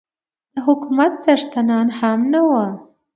د حکومت څښتنان هم نه وو.